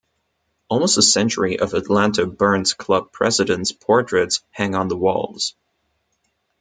Almost a century of Atlanta Burns Club presidents' portraits hang on the walls.